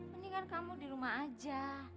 mendingan kamu di rumah aja